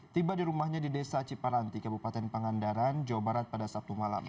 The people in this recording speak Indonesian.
tiba di rumahnya di desa ciparanti kabupaten pangandaran jawa barat pada sabtu malam